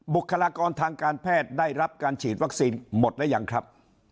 บุคลากรทางการแพทย์ได้รับการฉีดวัคซีนหมดหรือยังครับ